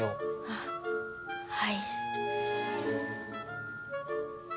あっはい。